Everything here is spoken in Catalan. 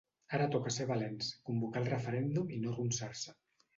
Ara toca ser valents, convocar el referèndum i no arronsar-se.